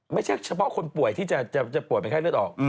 ไม่ใช่เฉพาะคนป่วยที่จะป่วยเป็นไข้เลือดออก